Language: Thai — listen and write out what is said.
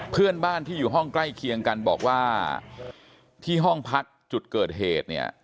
เพื่อนบ้านที่อยู่ห้องใกล้เคียงกันบอกว่าที่ห้องพักจุดเกิดเหตุเนี่ย